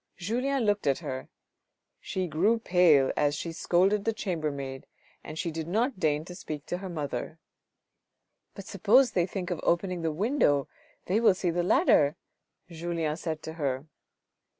Julien looked at her, she grew pale as she scolded the chamber maid, and she did not deign to speak to her mother. " But suppose they think of opening the window, they will see the ladder," Julien said to her.